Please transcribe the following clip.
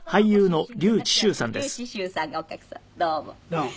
どうも。